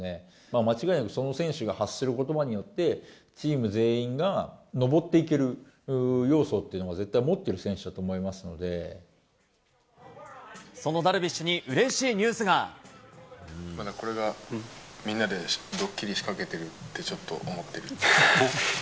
間違いなくその選手が発することばによって、チーム全員がのぼっていける要素っていうのを絶対持っている選手そのダルビッシュにうれしいこれが、みんなでどっきり仕掛けてるってちょっと思ってる。